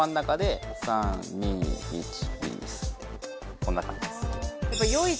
こんなかんじです。